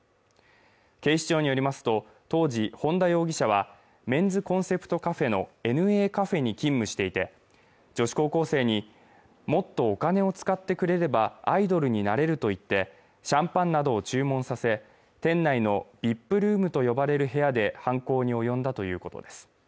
警視庁によりますと当時本田容疑者はメンズコンセプトカフェのＮＡカフェに勤務していて女子高校生にもっとお金を使ってくれればアイドルになれると言ってシャンパンなどを注文させ店内のＶＩＰルームと呼ばれる部屋で犯行に及んだということです